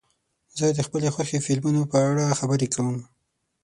زه د خپلو خوښې فلمونو په اړه خبرې کوم.